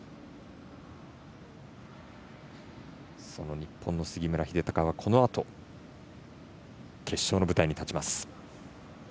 日本の杉村英孝はこのあと決勝の舞台に立ちます。